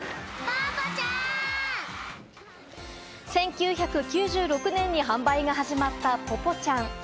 １９９６年に販売が始まった、ぽぽちゃん。